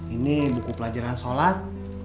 ini buku pelajaran sholat